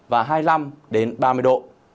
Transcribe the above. và hai mươi năm đến ba mươi độ